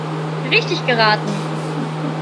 Richtig geraten!